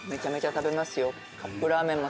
食べます。